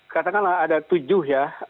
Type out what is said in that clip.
katakanlah ada tujuh ya